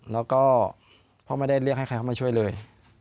แล้วก็พ่อไม่ได้เรียกให้ใครเข้ามาช่วยเลย